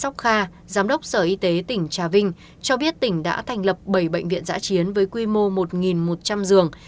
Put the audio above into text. cơ sở y tế tỉnh trà vinh cho biết tỉnh đã thành lập bảy bệnh viện giã chiến với quy mô một một trăm linh giường